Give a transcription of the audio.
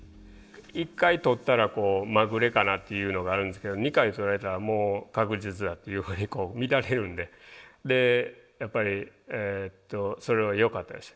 １回取ったらまぐれかなっていうのがあるんですけど２回取れたらもう確実だっていうふうに見られるんでやっぱりそれはよかったです。